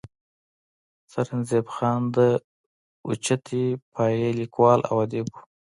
سرنزېب خان د اوچتې پائې ليکوال او اديب وو